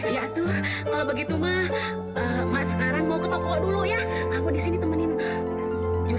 ya tuh kalo begitu mah emang sekarang mau ke toko dulu ya aku disini temenin juragan benny